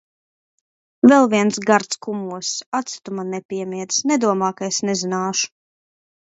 Vēl viens gards kumoss! Aci tu man nepiemiedz! Nedomā, ka es nezināšu.